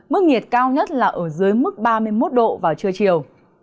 mức nhiệt cao nhất là ở dưới mức ba mươi một độ vào trưa chiều